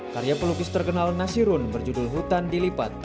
karya pelukis terkenal nasirun berjudul hutan dilipat